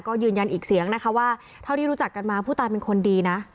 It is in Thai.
ก็ยืนยันอีกเสียงนะคะว่าเท่าที่รู้จักกันมาผู้ตายเป็นคนดีนะ